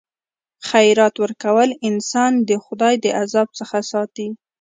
خیرات ورکول انسان د خدای د عذاب څخه ساتي.